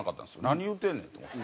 何言うてんねんと思って。